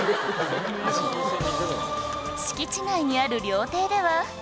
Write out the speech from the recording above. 敷地内にある料亭では